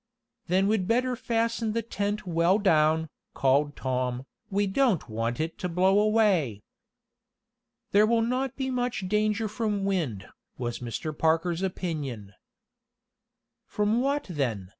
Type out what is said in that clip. "Then we'd better fasten the tent well down," called Tom. "We don't want it to blow away." "There will not be much danger from wind," was Mr. Parker's opinion. "From what then?"